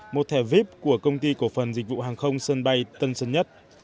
một thẻ vip của công ty cổ phần dịch vụ hàng không sân bay tân sơn nhất